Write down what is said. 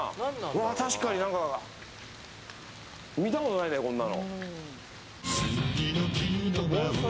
確かに見たことないねこんなの。